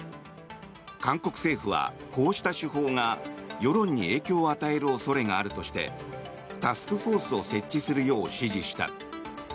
韓国政府は、こうした手法が世論に影響を与える恐れがあるとしてタスクフォースを設置するよう指示した。